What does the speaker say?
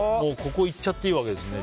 ここいっちゃっていいですね。